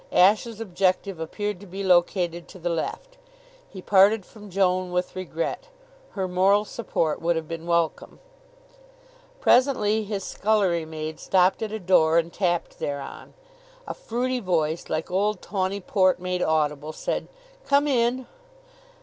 Ashe's objective appeared to be located to the left. He parted from Joan with regret. Her moral support would have been welcome. Presently his scullery maid stopped at a door and tapped thereon. A fruity voice, like old tawny port made audible, said: "Come in!"